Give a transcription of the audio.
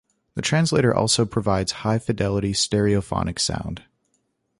The translator also provides high fidelity stereophonic sound.